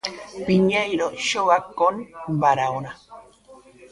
Piñeiro xoga con Barahona.